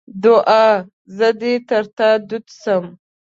دوعا: زه دې تر تا دود سم.